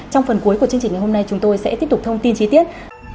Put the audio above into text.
trong phần cuối của chương trình ngày hôm nay chúng tôi sẽ tiếp tục thông tin chi tiết